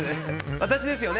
私ですよね？